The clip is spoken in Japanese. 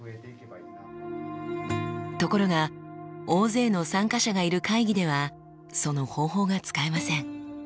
ところが大勢の参加者がいる会議ではその方法が使えません。